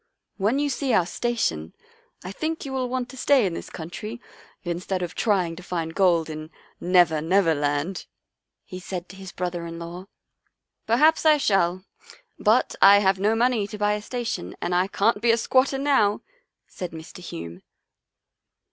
When you see our station I think you will want to stay in this country instead of trying to find gold in ' Never, Never Land,' " he said to his brother in law. " Perhaps I shall, but I have no money to buy a station and I can't be a squatter now," said Mr. Hume.